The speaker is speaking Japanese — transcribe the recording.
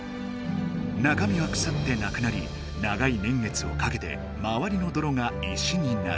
なかみはくさってなくなり長い年月をかけてまわりのどろが石になる。